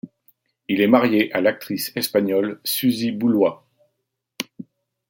Il est marié à l'actrice espagnole, Susy Boulois.